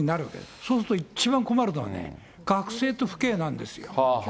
そうすると一番困るのは学生と父兄なんですよ。